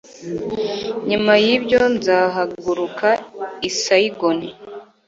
Nyuma yibyo nzahaguruka i Saigon